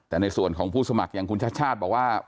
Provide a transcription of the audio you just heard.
แต่ในส่วนของผู้สมัครอย่างคุณชาติชาติบอกว่า